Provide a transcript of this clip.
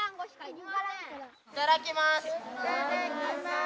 いただきます。